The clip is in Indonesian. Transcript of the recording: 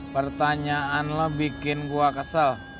pertanyaan lo bikin gue kesel